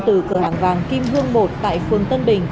từ cửa hàng vàng kim hương một tại phường tân bình